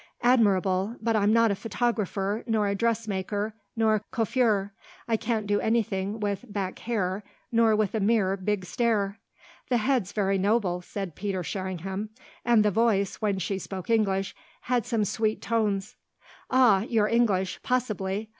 "Admirable. But I'm not a photographer nor a dressmaker nor a coiffeur. I can't do anything with 'back hair' nor with a mere big stare." "The head's very noble," said Peter Sherringham. "And the voice, when she spoke English, had some sweet tones." "Ah your English possibly!